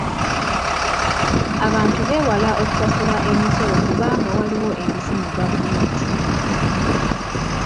Abantu beewala okusasula emisolo kubanga waliwo enguzi mu gavumenti.